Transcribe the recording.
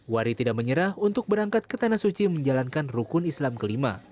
wari tidak menyerah untuk berangkat ke tanah suci menjalankan rukun islam kelima